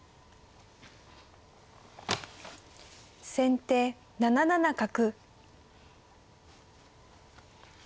先手７七角。